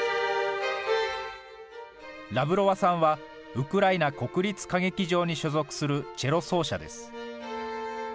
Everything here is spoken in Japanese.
ラブロワさんは、ウクライナ国立歌劇場に所属するチェロ奏者です。